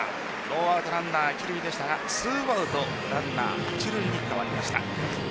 ノーアウトランナー一塁でしたが２アウトランナー一塁に変わりました。